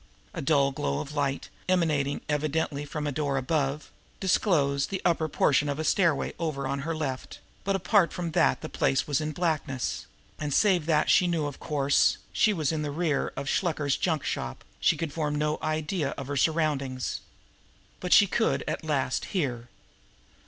A dull glow of light, emanating evidently from an open door above, disclosed the upper portion of a stairway over on her left, but apart from that the place was in blackness, and save that she knew, of course, she was in the rear of Shluker's junk shop, she could form no idea of her surroundings. But she could, at last, hear.